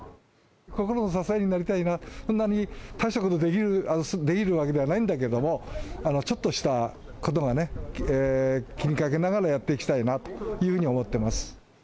心の支えになりたいな、そんな大したことできるわけではないんだけれども、ちょっとしたことがね、気にかけながらやっていきたいなというふうに思ってます。